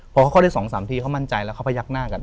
พอเข้าได้สองสามทีเขามั่นใจแล้วเขาไปยักษ์หน้ากัน